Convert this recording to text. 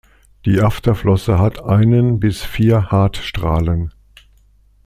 Die Afterflosse hat einen bis vier Hartstrahlen.